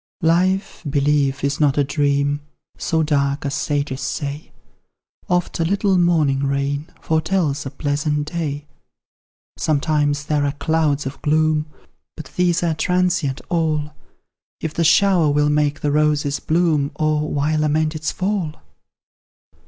Life, believe, is not a dream So dark as sages say; Oft a little morning rain Foretells a pleasant day. Sometimes there are clouds of gloom, But these are transient all; If the shower will make the roses bloom, O why lament its fall?